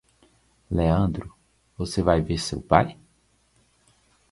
Leandro, você vai hoje ver seu pai?